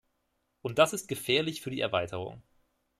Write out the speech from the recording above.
Und das ist gefährlich für die Erweiterung.